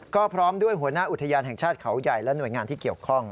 ก็พร้อมด้วยหัวหน้าอุทยานแห่งชาติเขาใหญ่และหน่วยงานที่เกี่ยวข้อง